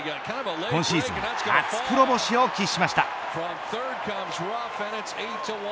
今シーズン初黒星を喫しました。